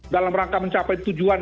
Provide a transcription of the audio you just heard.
dalam rangka mencapai tujuan